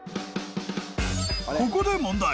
［ここで問題］